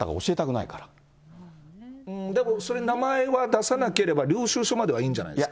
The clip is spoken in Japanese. でも、それ、名前は出さなければ、領収書まではいいんじゃないですか。